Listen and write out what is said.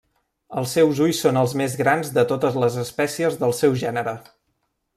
Els seus ulls són els més grans de totes les espècies del seu gènere.